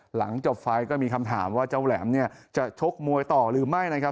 หลังจบไฟล์ก็มีคำถามว่าเจ้าแหลมเนี่ยจะชกมวยต่อหรือไม่นะครับ